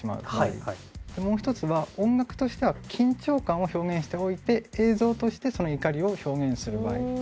もう１つは音楽としては緊張感を表現しておいて映像としてその怒りを表現する場合。